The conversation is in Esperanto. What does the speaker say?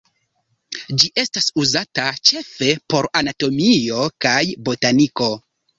Ĝi estas uzata ĉefe por anatomio kaj botaniko.